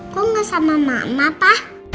kok gak sama mama pa